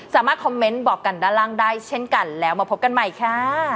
สามารถคอมเมนต์บอกกันด้านล่างได้เช่นกันแล้วมาพบกันใหม่ค่ะ